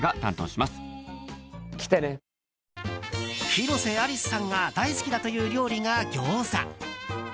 広瀬アリスさんが大好きだという料理が餃子。